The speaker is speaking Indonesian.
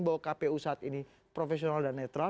bahwa kpu saat ini profesional dan netral